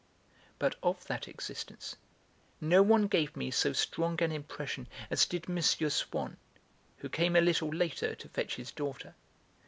But of that existence no one gave me so strong an impression as did M. Swann, who came a little later to fetch his daughter.